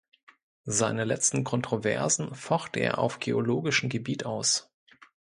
Seine letzten Kontroversen focht er auf geologischen Gebiet aus.